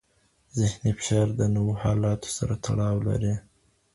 ذهني فشار د نوو حالاتو سره تړاو لري.